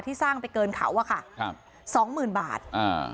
สร้างไปเกินเขาอ่ะค่ะครับสองหมื่นบาทอ่า